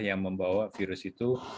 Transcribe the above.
yang membawa virus itu